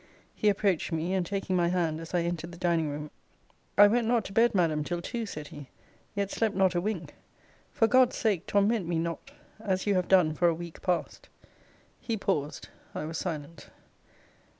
He approached me, and taking my hand, as I entered the dining room, I went not to bed, Madam, till two, said he; yet slept not a wink. For God's sake, torment me not, as you have done for a week past. He paused. I was silent.